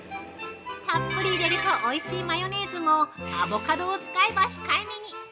たっぷり入れるとおいしいマヨネーズもアボカドを使えば控え目に！